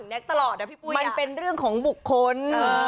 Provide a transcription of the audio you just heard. ในของมันเป็นเรื่องของบุคคล